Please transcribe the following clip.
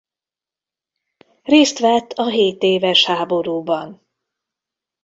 Részt vett a hétéves háborúban.